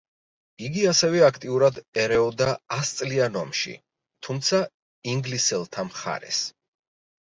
იგი ასევე აქტიურად ერეოდა ასწლიან ომში, თუმცა ინგლისელთა მხარეს.